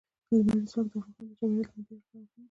لمریز ځواک د افغانستان د چاپیریال د مدیریت لپاره مهم دي.